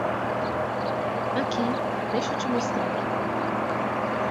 Aqui, deixa eu te mostrar.